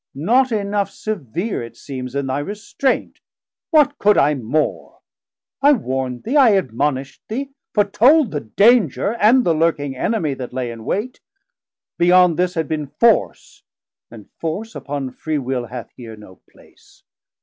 not enough severe, It seems, in thy restraint: what could I more? 1170 I warn'd thee, I admonish'd thee, foretold The danger, and the lurking Enemie That lay in wait; beyond this had bin force, And force upon free Will hath here no place.